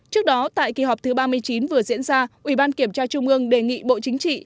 trước đó tại kỳ họp thứ ba mươi chín vừa diễn ra ủy ban kiểm tra trung ương đề nghị bộ chính trị